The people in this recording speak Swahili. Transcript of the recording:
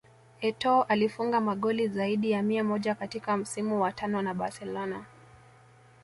Etoo alifunga magoli zaidi ya mia moja katika msimu wa tano na Barcelona